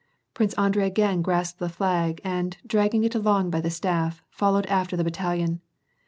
Prince Andrei again grasped the flag and, dragging it along by the staff, followed after the battalion.